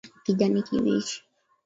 kijani kibichi